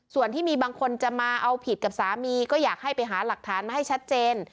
ส่วนที่มีบางคนจะมาเอาผิดกับสามีก็อยากให้ไปหาหลักฐานมาให้ชัดเจน